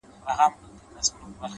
اې ه سترگو کي کينه را وړم!